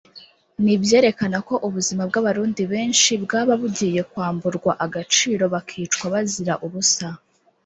ni ibyerekana ko ubuzima bw’Abarundi benshi bwaba bugiye kwamburwa agaciro bakicwa bazira ubusa